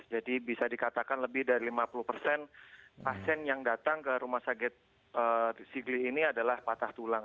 jadi bisa dikatakan lebih dari lima puluh persen pasien yang datang ke rumah sakit sigli ini adalah patah tulang